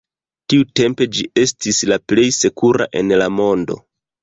Tiutempe ĝi estis la plej sekura en la mondo.